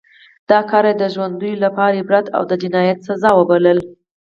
دا کار یې د ژوندیو لپاره عبرت او د جنایت سزا وبلله.